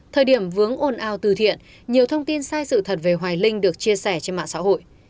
thời điểm vướng ồn ào từ thiện nhiều thông tin sai sự thật về hoài linh được chia sẻ trên mạng xã hội